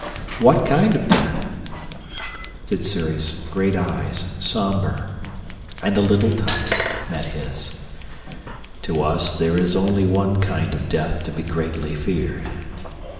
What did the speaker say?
"What kind of death?" Sssuri's great eyes, somber and a little tired, met his. "To us there is only one kind of death to be greatly feared."